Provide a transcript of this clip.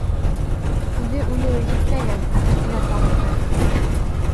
Үҙе үлеүе етмәгән, өҫтөнә тағы ҡайғы!..